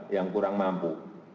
yang kurang mampu